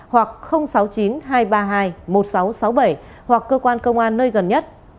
hoặc sáu mươi chín hai trăm ba mươi hai một nghìn sáu trăm sáu mươi bảy hoặc cơ quan công an nơi gần nhất